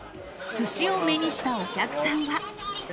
すしを目にしたお客さんは。